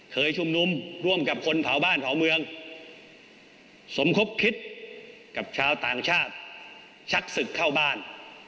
เคยชุมนุมร่วมกับคนเผาบ้านเผาเมืองสมคบคิดกับชาวต่างชาติชักศึกเข้าบ้าน